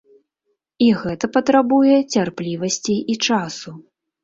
І гэта патрабуе цярплівасці і часу.